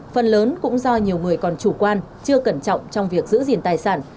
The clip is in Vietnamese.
phần lớn cũng do nhiều người còn chủ quan chưa cẩn trọng trong việc giữ gìn tài sản